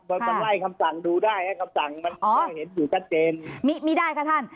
มันต้องไล่คำสั่งดูได้ให้คำสั่งมันก็เห็นอยู่ชัดเจนมีไม่ได้ค่ะท่าน